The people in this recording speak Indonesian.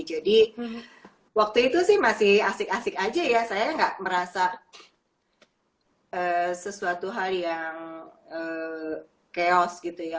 waktu itu sih masih asik asik aja ya saya nggak merasa sesuatu hal yang chaos gitu ya